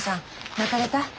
泣かれた？